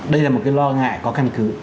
đây là một cái lo ngại có căn cứ